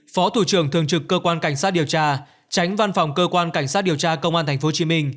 phó thủ trưởng thường trực cơ quan cảnh sát điều tra tránh văn phòng cơ quan cảnh sát điều tra công an tp hcm